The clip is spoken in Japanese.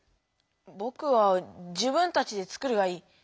ぼくは「自分たちで作る」がいい。